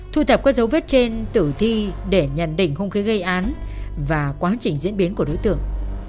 thu thập các dấu vết trên tử thi để nhận định hung khí gây án và quá trình diễn biến của đối tượng